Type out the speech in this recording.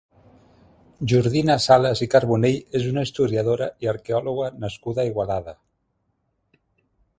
Jordina Sales i Carbonell és una historiadora i arqueòloga nascuda a Igualada.